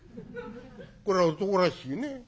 これは男らしいね。